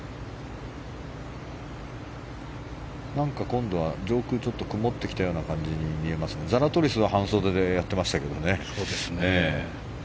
今度は上空、ちょっと曇ってきた感じに見えますがザラトリスは半袖でやってましたけどね。